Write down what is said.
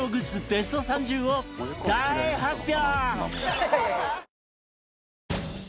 ベスト３０を大発表！